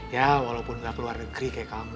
ya walaupun nggak ke luar negeri kayak kamu